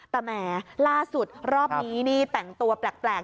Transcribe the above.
แต่แหมล่าสุดรอบนี้นี่แต่งตัวแปลก